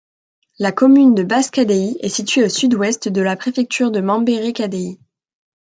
La commune de Basse-Kadéï est située au sud-ouest de la préfecture de Mambéré-Kadéï.